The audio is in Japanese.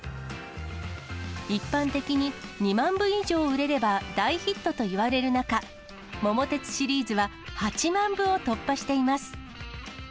一般的に２万部以上売れれば大ヒットといわれる中、桃鉄シリーズは８万部を突破しています。